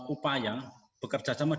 upaya bekerja sama dengan